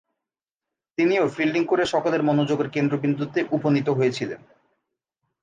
তিনিও ফিল্ডিং করে সকলের মনোযোগের কেন্দ্রবিন্দুতে উপনীত হয়েছিলেন।